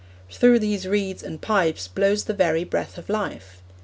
Through these reeds and pipes blows the very breath of life.